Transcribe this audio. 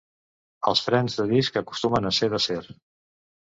Els frens de disc acostumen a ser d'acer.